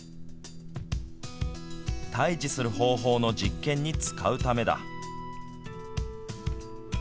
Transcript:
退治する方法の実験に使うためだ。